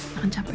gak akan capek